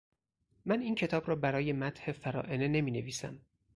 من این کتاب را برای مدح فراعنه نمی نویسم